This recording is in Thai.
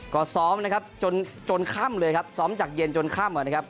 ก็ซ้อมนะครับจนค่ำเลยครับซ้อมจากเย็นจนค่ำนะครับ